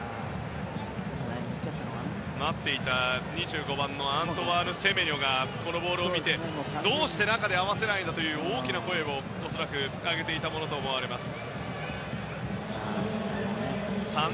待っていた２５番のアントワーヌ・セメニョがこのボールを見てどうして中で合わせないんだと大きな声を、恐らくかけていたものと思われます。